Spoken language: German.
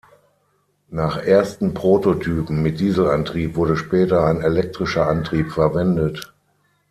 Nach ersten Prototypen mit Dieselantrieb wurde später ein elektrischer Antrieb verwendet.